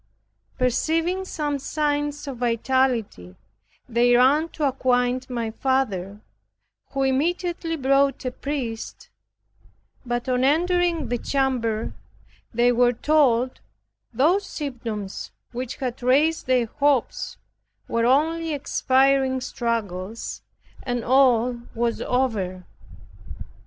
Perceiving some signs of vitality, they ran to acquaint my father, who immediately brought a priest; but on entering the chamber they were told those symptoms which had raised their hopes were only expiring struggles, and all was over.